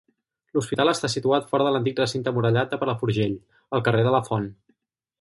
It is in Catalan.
L'hospital està situat fora de l'antic recinte murallat de Palafrugell, al carrer de la Font.